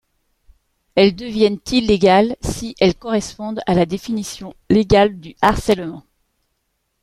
Elles deviennent illégales si elles correspondent à la définition légale du harcèlement.